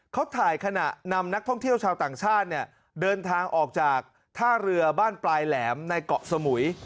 เขาถ่ายขณะนำนักท่องเที่ยวชาวต่างชาติเนี่ยเดินทางออกจากท่าเรือบ้านปลายแหลมในเกาะสมุย